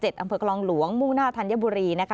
อำเภอกลองหลวงมูนาธัญบุรีนะคะ